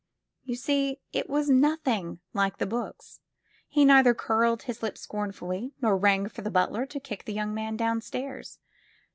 You see, it was nothing like the books. He neither curled his lip scornfully nor rang for the butler to kick the young man downstairs.